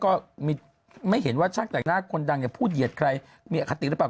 ก็ไม่เห็นว่าช่างแต่งหน้าคนดังเนี่ยพูดเหยียดใครมีอคติหรือเปล่า